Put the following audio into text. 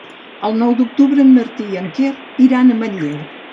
El nou d'octubre en Martí i en Quer iran a Manlleu.